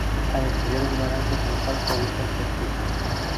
Al exterior un gran arco triunfal cobija el pórtico.